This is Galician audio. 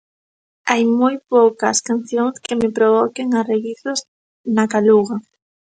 Hai moi poucas cancións que me provoquen arreguizos na caluga.